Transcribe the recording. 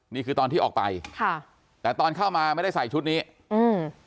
นี่คือตอนที่ออกไปค่ะแต่ตอนเข้ามาไม่ได้ใส่ชุดนี้อืม